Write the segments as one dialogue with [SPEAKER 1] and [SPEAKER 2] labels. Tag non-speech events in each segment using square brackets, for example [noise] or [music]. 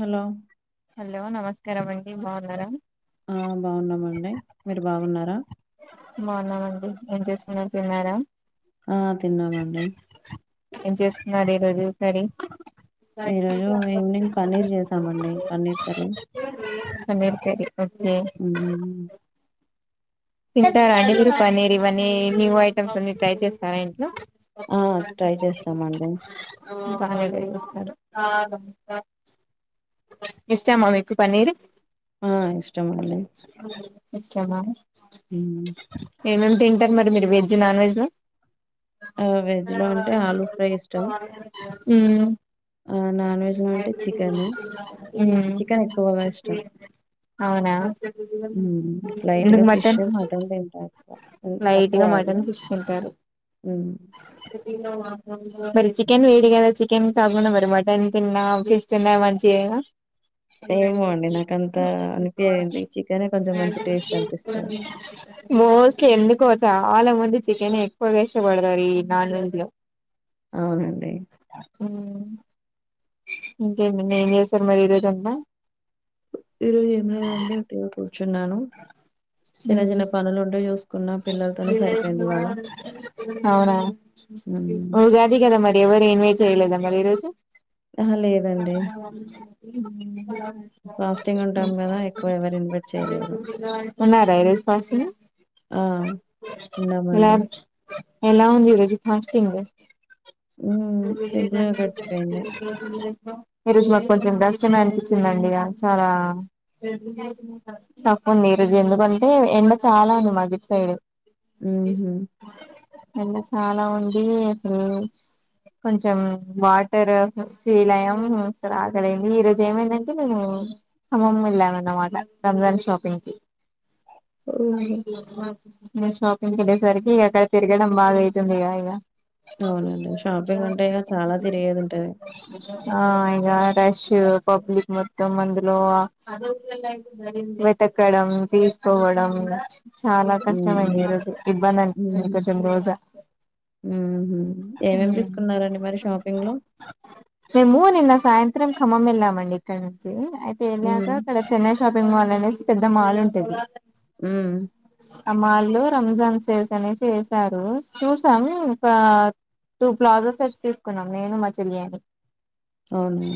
[SPEAKER 1] Hello
[SPEAKER 2] hello నమస్కారం అండి బాగున్నారా
[SPEAKER 1] ఆ బాగున్నామండి మీరు బాగున్నారా
[SPEAKER 2] బాగున్నామండి ఏం చేస్తున్నారు తిన్నారా
[SPEAKER 1] ఆ! తిన్నామండి.
[SPEAKER 2] ఏం చేసుకున్నారు ఈ రోజు కర్రీ
[SPEAKER 1] ఈరోజు ఈవినింగ్ పన్నీర్ చేసామండి paneer curry
[SPEAKER 2] paneer curry okay
[SPEAKER 1] హ్మ్.
[SPEAKER 2] తింటారా అండి మీరు పన్నీర్ ఇవన్నీ న్యూ ఐటమ్స్ అన్ని ట్రై చేస్తారా ఇంట్లో
[SPEAKER 1] ఆ ట్రై చేస్తామండి
[SPEAKER 2] ఇంకా అలానే చేస్తారు ఇష్టమా మీకు పన్నీర్
[SPEAKER 1] ఆ ఇష్టమండి
[SPEAKER 2] ఇష్టమా
[SPEAKER 1] హ్మ్.
[SPEAKER 2] ఏమేమి తింటారు మరి మీరు వెజ్ నాన్ వెజ్లో
[SPEAKER 1] ఆ! వెజ్‌లో అంటే ఆలూ ఫ్రై
[SPEAKER 2] [unintelligible] ఉమ్
[SPEAKER 1] అవునా
[SPEAKER 2] ఉమ్
[SPEAKER 1] చికెన్ ఎక్కువగా ఇష్టం.
[SPEAKER 2] అవునా
[SPEAKER 1] హ్మ్.
[SPEAKER 2] ఎందుకు
[SPEAKER 1] లైట్‌గా ఫిష్,
[SPEAKER 2] మటన్
[SPEAKER 1] తింటా ఎక్కువ. హ్మ్. తక్కువ
[SPEAKER 2] లైట్గా
[SPEAKER 1] అవి.
[SPEAKER 2] మటన్ ఫిష్ తింటారు
[SPEAKER 1] హ్మ్.
[SPEAKER 2] [unintelligible] మరి చికెన్ వేడి కదా చిక్ కెంతగున మరి మటన్ తిన్నా వేస్తేనా మంచిగానే
[SPEAKER 1] ఏమో అండి నాకంత అనిపియది. చికెనే కొంచెం మంచి టేస్ట్ అనిపిస్తది.
[SPEAKER 2] మోస్ట్ ఎన్ని ఎక్కువ చాలా మంది చికెన్ ఎక్కువగా ఇష్టపడదారు ఈ నాన్ వెెజ్ లో
[SPEAKER 1] అవునండి
[SPEAKER 2] ఇంకేంటి ఏం చేశారు మరి ఈ రోజ అంత
[SPEAKER 1] ఈ రోజు ఏం లేదండి ఉట్టిగానే కూసున్న కూర్చున్నాను చిన్న చిన్న పనులు ఉంటే చూ
[SPEAKER 2] అవునా
[SPEAKER 1] హ్మ్.
[SPEAKER 2] ఉగాది కదా మరి ఎవరు ఏమి చేయలేదా మరి ఈ రోజు
[SPEAKER 1] అహ లేదండి ఫాస్టింగ్ ఉంటాం గదా! ఎక్కువ ఎవరు ఇన్వైట్ చేయలేదు.
[SPEAKER 2] ఉన్నారా ఈరోజు ఫంక్షన్
[SPEAKER 1] ఆ! ఉన్నామండి.
[SPEAKER 2] ఎలాబ్ ఎలా ఉంది థ్యాంక్స్ టు యుఅండి
[SPEAKER 1] హ్మ్. సింపుల్‌గా
[SPEAKER 2] వెళ్ళిరండి [unintelligible]
[SPEAKER 1] గడిచిపోయింది.
[SPEAKER 2] బెస్ట్ ఆఫ్ లక్ ఈ రోజు మాకు కొంచెం కష్టమే అనిపించిందిండి చాలా తక్కువుంది ఈరోజు ఎందుకంటే ఎండ చాలా ఉంది మాది సైడ్
[SPEAKER 1] ఊహు
[SPEAKER 2] ఎండ చాలా ఉంది అసలు కొంచెం వాటర్ ఫీల అయ్యాం ఆకలయింది ఈరోజు ఏమైందంటే మేము ఖమ్మం వెళ్ళాం అన్నమాట రంజాన్ షాపింగ్ కి
[SPEAKER 1] ఓహో!
[SPEAKER 2] అయ్యో నేను షాపింగ్ కి వెళ్ళేసరికి ఎండకు తిరగడం బాగా అయితుంది ఇగ ఇగ
[SPEAKER 1] అవునండి. షాపింగ్ అంటే ఇగ చాలా తిరిగేదుంటది.
[SPEAKER 2] ఆ ఇగ డష్ పబ్లిక్ మొత్తం అందులో వెతకడం తీసుకోవడం చ చాలా కష్టమే ఈ
[SPEAKER 1] హ్మ్.
[SPEAKER 2] రోజు ఇబ్బంది అని పించింది
[SPEAKER 1] హుహు.
[SPEAKER 2] కొంచెం రోజా
[SPEAKER 1] హుహు. ఏమేమి తీసుకున్నారండి మరి షాపింగ్‌లో?
[SPEAKER 2] మేము నిన్న సాయంత్రం ఇత్రం ఖమ్మం వెళ్ళామండి ఇక్కడ నుంచి అయితే వెళ్ళాక
[SPEAKER 1] హ్మ్.
[SPEAKER 2] ఇక్కడ చెన్నై షాపింగ్ మాల్ అనే సి పెద్ద మాలు ఉంటది
[SPEAKER 1] ఊ
[SPEAKER 2] అ మాళ్ళో రంజాన్ సేల్స్ అనే సి వేసారు చూసాం ఒక టూ ప్లాజా సెట్స్ తీసుకున్నాం నేను మా చెల్లి అని
[SPEAKER 1] అవునా.?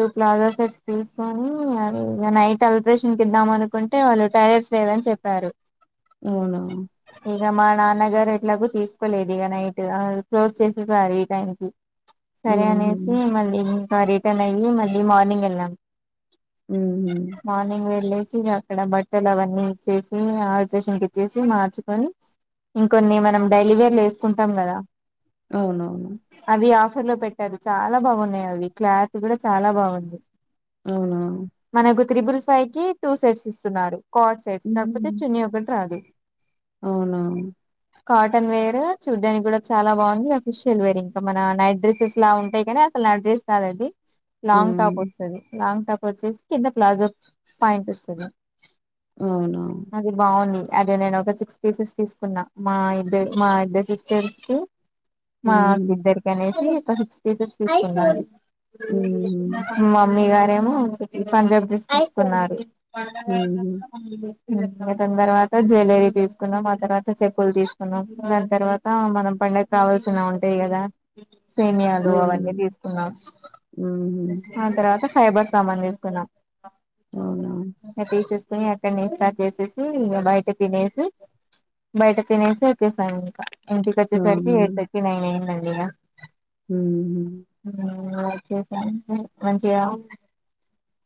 [SPEAKER 2] టూ ప్లాజ సెట్స్ తీసుకొని ఇగ నైట్ అల్ట్రేషన్ ఇద్దాం అనుకుంటే వాళ్ళు టైలర్స్ లేదని చెప్పారు
[SPEAKER 1] అవునా
[SPEAKER 2] ఇగ మా నాన్నగారు ఎట్లాగో తీసుకోలేదు ఇక నైట్ క్లోజ్ చేసేసారు ఈ టైం కి సరే
[SPEAKER 1] హుహు.
[SPEAKER 2] అనేసి మళ్ళీ రిటర్న్ అయ్యి మళ్ళీ మార్నింగ్ ఎల్లాం
[SPEAKER 1] హుహు.
[SPEAKER 2] మార్నింగ్ వెళ్ళేసి చి అక్కడ బట్టలు అవన్నీ ఇచ్చేసీ ఆ షన్ ఇచ్చేసి మార్చుకొని ఇంకొన్ని మనం డైలివేర్లు వేసుకుంటాం కదా
[SPEAKER 1] అవునవును
[SPEAKER 2] అవి లో పెట్టారు చాలా బాగున్నాయి అవి క్లాత్ కూడా చాలా బాగుంది
[SPEAKER 1] అవునా
[SPEAKER 2] మనకు త్రిబుల్ ఫైవ్ కి టూ సెట్స్ ఇస్తున్నారు కోట్ సైట్స్ కాకపోతే చున్నీ ఒకటి రాదు
[SPEAKER 1] అవునా
[SPEAKER 2] కాటన్ వేర్ చూడ్డానికి కూడా చాలా బాగుంది అఫిషియల్ వేర్ ఇంకా మన నైట్ డ్రెస్సెస్ లా ఉంటాయి కాని అసలు నైట్ డ్రెస్ కాదండి లాంగ్ టాప్
[SPEAKER 1] హ్మ్.
[SPEAKER 2] వస్తది లాంగ్ టాప్ వచ్చేసి కింద ప్లాజో పాయింట్ వస్తది
[SPEAKER 1] అవునవును.
[SPEAKER 2] అది బాగుంది అదే నేను ఒక సిక్స్ పీసెస్ తీసుకున్నా మా ఇద్దరి మా ఇద్ద సిస్ తెరిస్తే
[SPEAKER 1] హుహు.
[SPEAKER 2] మాకిద్దరికి అనేసి సిక్స్ పీసెస్ తీసుకున్న
[SPEAKER 1] హుహు.
[SPEAKER 2] మమ్మీ కా ఏమో ఒకటి పంజాబ్ డ్రస్ తీసుకున్నారు
[SPEAKER 1] హుహు.
[SPEAKER 2] [inaudible] జ్యువలరీ తీసుకున్నాం ఆ తర్వాత చెప్పులు తీసుకున్నాం దాని తర్వాత మనం పండగ కావాల్సిన ఉంటాయి కదా సేమియాలు అవన్నీ
[SPEAKER 1] హ్మ్.
[SPEAKER 2] తీసుకున్నాం
[SPEAKER 1] హుహు.
[SPEAKER 2] సైబర్ సామాను తీసుకున్నాం
[SPEAKER 1] అవునవును.
[SPEAKER 2] తీసెస్ అక్కడిని రీచార్జ్ చేసేసి బయ తె తినేసి బయట తినేసి వచ్చేసాను ఇంకా ఇంటికొచ్చే సరికీ ఎయిట్ థట్టీ నైన్ అయింద అ
[SPEAKER 1] హు
[SPEAKER 2] వచ్చేసాం మంచిగా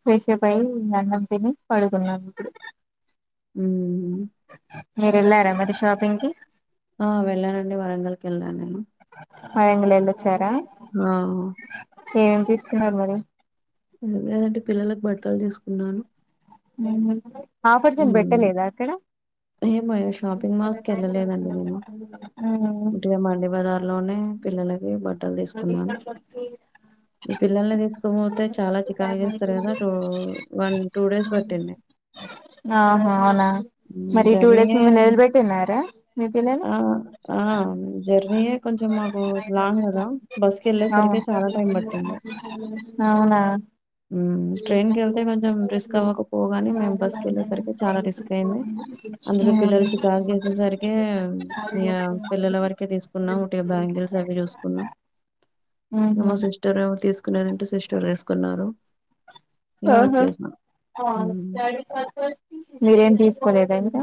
[SPEAKER 2] ఫ్రెష్ అప్ అయ్యి అన్నం తిని పడుకున్నాం ఇప్పుడు
[SPEAKER 1] ఊ
[SPEAKER 2] మీరు వెళ్ళారా మరి షాపింగ్ కి
[SPEAKER 1] ఆ వెళ్ళానండి వరంగల్కి వెళ్ళా నేను
[SPEAKER 2] మయంగళలా యిచ్చారా
[SPEAKER 1] ఆ!
[SPEAKER 2] ఎం తీసుకున్నారు మరి
[SPEAKER 1] లేదంటే పిల్లలకు బట్టలు తీసుకున్నాను
[SPEAKER 2] ఉ ఆఫర్స్ ఏం
[SPEAKER 1] హ్మ్.
[SPEAKER 2] బెట్టలేదా అక్కడ
[SPEAKER 1] ఏమో ఇటుగా మండి బజార్ లోనే పిల్లలయ్ ఏం [unintelligible] హ తీసుకున్నాను ఈ పిల్లల్ని తీసుకోపోతే చాలా చికాగా చేస్తారు కదా టూ వన్ టూ డేస్ పట్టింది
[SPEAKER 2] ఆహా అవునా మరి టూ
[SPEAKER 1] జర్నీ
[SPEAKER 2] డేస్ మిమ్మల్ని వదిలిపెట్టున్నారా మీ పిల్లలు
[SPEAKER 1] ఆ ఆ జర్నీయే కొంచెం మాకు లాంగ్ బస్ క వెళ్ళే సరికి
[SPEAKER 2] అవును
[SPEAKER 1] చాలా టైం పట్టింది
[SPEAKER 2] అవునా
[SPEAKER 1] ఊ ట్రైన్ కెళ్తే కొంచెం రిస్క్ అవ్వకపోగాని మేము బస్ క వెళ్ళేసరికి చాలా రిస్క్ అయింది అందులో పిల్లల చికాక్ చేసేసరికే ఇగ పిల్లల వరకే తీసుకున్నాం ఒకటి బ్యాంగిల్స్ అవి చూసుకున్నాం మమ సిస్టర్ తీసుకు సుకునేదింటే సిస్టర్ వేసుకున్నారు
[SPEAKER 2] ఆహో
[SPEAKER 1] హ్మ్.
[SPEAKER 2] మీరేం తీసుకోలేదంని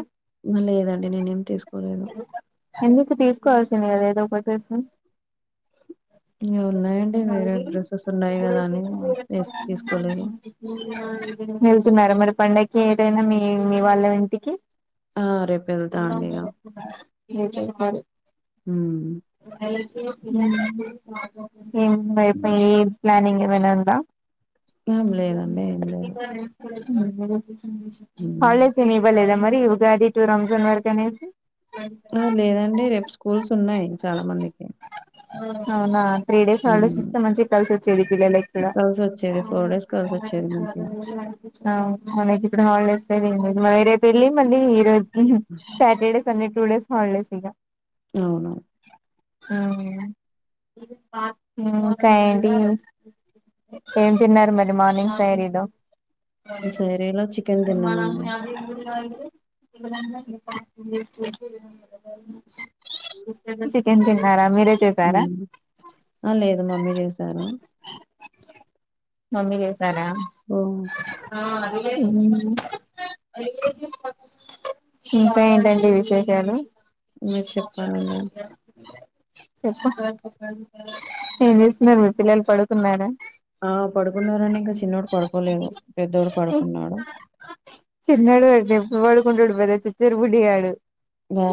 [SPEAKER 1] ఆ! లేదండి. నేనేం తీసుకోలేదు.
[SPEAKER 2] ఎందుకు తీసుకోవాల్సింది కదా ఏదో పకాస
[SPEAKER 1] ఉన్నాయండి వేరే డ్రెస్సెస్ ఉన్నాయి కదా అని వ తీసుకోలేరు
[SPEAKER 2] వెళ్తున్నారు మరి పండగకి ఏదైనా మీ మీ వాళ్ళ ఇంటికి
[SPEAKER 1] ఆ! రేపెళ్తా అండి ఇగ.
[SPEAKER 2] ఏ [inaudible]
[SPEAKER 1] హ్మ్.
[SPEAKER 2] ఏండ్ ఐపోయి ప్లానింగు వైనాందా
[SPEAKER 1] ఏం లేదండి ఏం లేదు
[SPEAKER 2] [inaudible]
[SPEAKER 1] హ్మ్.
[SPEAKER 2] హాలిడేస్ ఏం ఇవ్వలేదా మరి ఉగాది టూ రంజాన్ వరకు అనేసి
[SPEAKER 1] లేదండి రేపు స్కూల్స్ ఉన్నాయి చాలా మందికి
[SPEAKER 2] అవునా త్రీ డేస్ హల్డేస్ ఇస్తే మంచిగ కలిసొచ్చేది పిల్లలకి కూడా
[SPEAKER 1] కలిసి వచ్చేది ఫోర్
[SPEAKER 2] అవును
[SPEAKER 1] డేస్ కలిసి వచ్చేది మంచిగా
[SPEAKER 2] మనకిప్పుడు హాల్ మరి రేపెళ్ళి మళ్ళీ ఈ రో Saturday Sunday two days holidays ఇగ
[SPEAKER 1] అవును
[SPEAKER 2] ఊ ఇంకా ఏంటి ఏం తిన్నారు మర్ రి మార్నింగ్ సైరీ లో
[SPEAKER 1] సైరీలో చికెన్
[SPEAKER 2] మన
[SPEAKER 1] తిన్నామండి
[SPEAKER 2] అది చికెన్ తినర
[SPEAKER 1] ఆ లేదు మమ్మీ చేసారు
[SPEAKER 2] మమ్మీ సరా
[SPEAKER 1] ఓ
[SPEAKER 2] ఇంకా ఏంటండి విశేషాలు
[SPEAKER 1] మీరు చెప్పాలండి
[SPEAKER 2] చెప్పు ఏం చేస్తున్నారు మీ పిల్లలు పడుకున్నారా
[SPEAKER 1] ఆ పడుకున్నారని ఇంకా చిన్నోడు పడుకోలేదు పెద్దోడు పడుకున్నాడు
[SPEAKER 2] చిన్నడుతే పవాడు కొడుపోలే చిచ్చెరి పుడి ఆడు
[SPEAKER 1] బ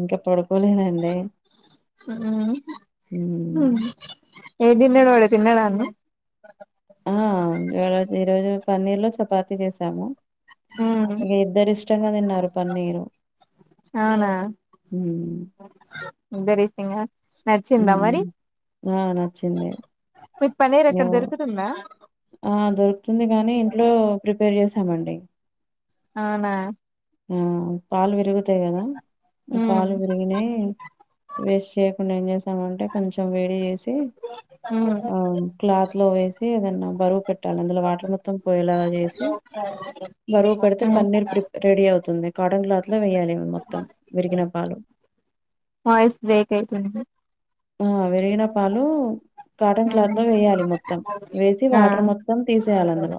[SPEAKER 1] ఇంకా పడుకోలేదండి హ్మ్.
[SPEAKER 2] ఏదిన్నను వాడ తిన్నాడా అన్న
[SPEAKER 1] ఆ వే తజు పన్నీర్ లో చపాతి చేసాము ఇక ఇద్దరి ఇష్టంగా తిన్నారు పన్నీరు
[SPEAKER 2] అవునా ఇద్దరు ఇష్టంగా నచ్చిందా
[SPEAKER 1] హ్మ్.
[SPEAKER 2] మరి
[SPEAKER 1] ఆ! నచ్చింది.
[SPEAKER 2] మీ పన్నీర్ ఎక్కడ
[SPEAKER 1] యవ్
[SPEAKER 2] దొరుకుతుందా
[SPEAKER 1] ఆ దొరుకుతుంది కానీ ఇంట్లో ప్రిపేర్ చేసాము మండి
[SPEAKER 2] అవునా
[SPEAKER 1] ఆ పాల్ విరుగు అంతే కదా
[SPEAKER 2] ఉమ్
[SPEAKER 1] పాలు విరిగినై వేస్ట్ చేయకుండా ఏం చేసామంటే కొంచెం వే చేసి
[SPEAKER 2] ఉమ్
[SPEAKER 1] ఆ క్లాత్ లో వేసి ఏద పెట్టాలి అందులో వాటర్ మొత్తం పోయేలాగా చేసి, బరువు పెడితే
[SPEAKER 2] ఉమ్
[SPEAKER 1] పన్నీర్ రెడీ అవుతుంది కాటన్ క్లాత్ లో వేయాలి మొత్తం విరిగిన పాలు
[SPEAKER 2] వాయిస్ బ్రేక్ అయితుంది
[SPEAKER 1] ఆ వెరిగిన పాలు కాటన్ క్లాత్
[SPEAKER 2] ఉమ్
[SPEAKER 1] లో వేయాలి మొత్తం వేసి
[SPEAKER 2] ఆ
[SPEAKER 1] వాటర్ మొత్తం తీసేయాలి అందులో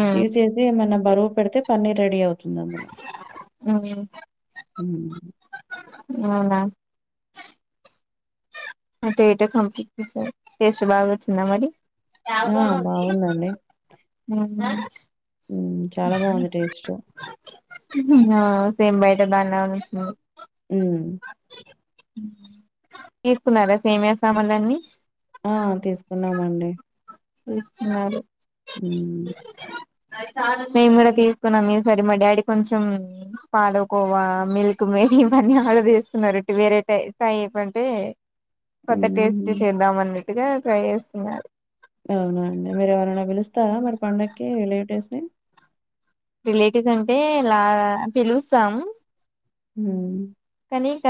[SPEAKER 2] ఉమ్
[SPEAKER 1] తీసేసి మన్న బరువు పెడితే పన్నీర్ రెడీ అవుతుంది
[SPEAKER 2] మ్
[SPEAKER 1] మ్
[SPEAKER 2] అవునా అంటే ఏటో కంప్ట్ చేసావా టేస్ట్ బాగా వచ్చిందా మరి
[SPEAKER 1] ఆ బాగుందండి
[SPEAKER 2] హ్మ్
[SPEAKER 1] హ్మ్ చాలా బాగుంది స్టేస్ట్
[SPEAKER 2] ఆ సేమ్ బయట దాన్లాగా వచ్చింది
[SPEAKER 1] హ్మ్
[SPEAKER 2] తీస్కున్నారా సేమియా సామాన్లని
[SPEAKER 1] ఆ తీసుకున్నామండి
[SPEAKER 2] ఎస్ స్తున్నారు
[SPEAKER 1] హు
[SPEAKER 2] మేము కూడా తీసుకున్నాం ఈసారి మా డాడీ కొంచెం పాాలకోవా మిల్క్ మేనీ ఇవన్నీ ఆర్డర్ చేస్తున్నారు ఇటు వేరే టే ఇంకా ఏ మంటే కొత్త టేస్ట్
[SPEAKER 1] హ్మ్.
[SPEAKER 2] చేద్దామని ట్టుగా ట్రై చేస్తున్నారు
[SPEAKER 1] అవునా అండి మీరు ఎవరైనా పిలుస్తారా మరి పండక్కి రిలేటివ్స్ ని
[SPEAKER 2] రిలేటివ్స్ అంటే ఇలా పిలుస్తాము
[SPEAKER 1] హు
[SPEAKER 2] నీ ఇక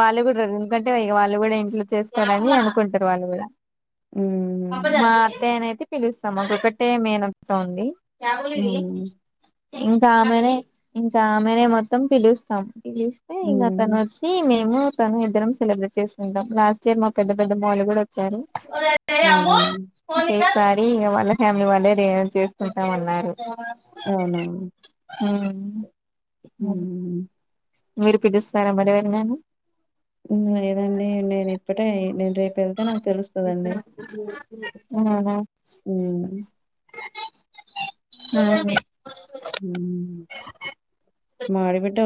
[SPEAKER 2] వాళ్ళు కూడా ఉన్ ఎందుకంటే ఇగ వాళ్ళు కూడా ఇంట్లో చేస్తారని అనుకుంటారు వాళ్ళు కూడా
[SPEAKER 1] హ్మ్.
[SPEAKER 2] మా అత్తయ్య నైతే పిలుస్తాం మాక్ ఒక్కట్టే మేనత్త ఉంది వది
[SPEAKER 1] అవునా!
[SPEAKER 2] ఇంకా ఆమెనే ఇంకా ఆమెనే మొత్తం పిలుస్తాం పిలు తె ఇంగ
[SPEAKER 1] హ్మ్.
[SPEAKER 2] తనోచ్చి మేము తను ఇద్దరం సెలబ్రేట్ చేస్తుకుాంటం లాస్ట్ ఇయర్ మా పెద్ద పెద్దమ్మ వాళ్ళు కూడా ఒ చ్చారు దెస్
[SPEAKER 1] అవునా!
[SPEAKER 2] ఒకసారి ఇగ వాళ్ళ ఫ్యామిలీ వాళ్ళేే రే చేసుకుంటా మన్నారు ఆ హు
[SPEAKER 1] హు
[SPEAKER 2] మీరు పిలుస్తారా మరి ఎవరినైనా
[SPEAKER 1] లేదండి నేను ఇప్పుడేే నిను రేపు వెళ్తే నాకు తెలుస్తుందండి
[SPEAKER 2] అవునా
[SPEAKER 1] హు ఉమ్ మా ఆడిబిడ్డ